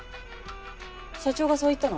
社長がそう言ったの？